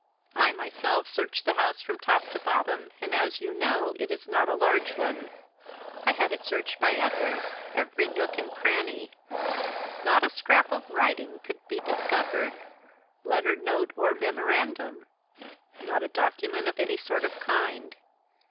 I myself searched the house from top to bottom, and, as you know, it is not a large one. I had it searched by others every nook and cranny. Not a scrap of writing could be discovered letter, note, or memorandum. Not a document of any sort of kind.